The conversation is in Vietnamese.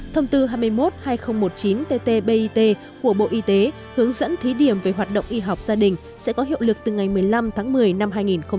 thông tư hai mươi một hai nghìn một mươi chín tt bit của bộ y tế hướng dẫn thí điểm về hoạt động y học gia đình sẽ có hiệu lực từ ngày một mươi năm tháng một mươi năm hai nghìn một mươi chín